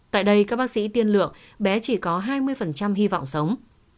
tại đây các bác sĩ tiên lượng bé chỉ có hai mươi hy vọng sống